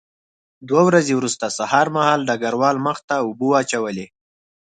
دوه ورځې وروسته سهار مهال ډګروال مخ ته اوبه واچولې